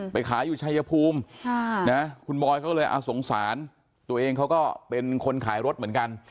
ขายอยู่ชายภูมิคุณบอยเขาก็เลยสงสารตัวเองเขาก็เป็นคนขายรถเหมือนกัน